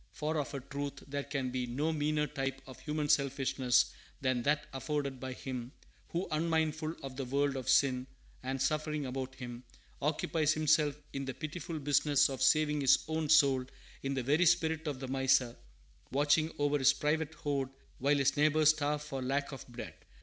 For, of a truth, there can be no meaner type of human selfishness than that afforded by him who, unmindful of the world of sin and suffering about him, occupies himself in the pitiful business of saving his own soul, in the very spirit of the miser, watching over his private hoard while his neighbors starve for lack of bread.